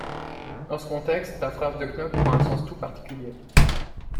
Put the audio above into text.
Dans ce contexte, la phrase de Knock prend un sens tout particulier.